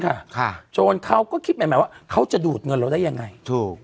ค่ะโจรเขาก็คิดใหม่ใหม่ว่าเขาจะดูดเงินเราได้ยังไงถูก